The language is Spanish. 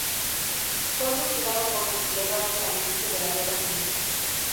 Fue fusilado por los sublevados al inicio de la Guerra Civil.